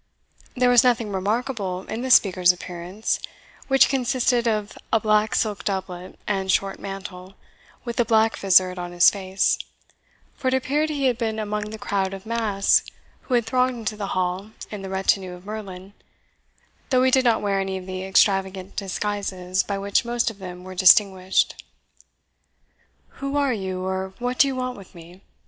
There was nothing remarkable in the speaker's appearance, which consisted of a black silk doublet and short mantle, with a black vizard on his face; for it appeared he had been among the crowd of masks who had thronged into the hall in the retinue of Merlin, though he did not wear any of the extravagant disguises by which most of them were distinguished. "Who are you, or what do you want with me?"